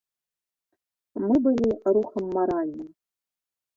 Мы былі рухам маральным.